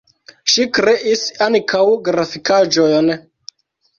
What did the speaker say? Ŝi kreis ankaŭ grafikaĵojn.